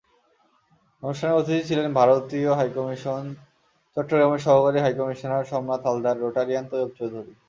অনুষ্ঠানে অতিথি ছিলেন ভারতীয় হাইকমিশন চট্টগ্রামের সহকারী হাইকমিশনার সোমনাথ হালদার, রোটারিয়ান তৈয়ব চৌধুরী।